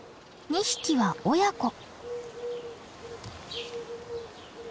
２匹は親子。